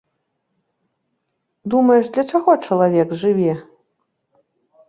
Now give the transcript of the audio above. Думаеш, для чаго чалавек жыве?